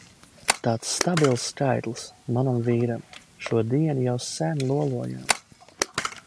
Tāds stabils skaitlis! Manam vīram! Šo dienu jau sen lolojām.